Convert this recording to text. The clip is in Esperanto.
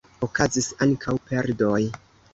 Okazis ankaŭ perdoj.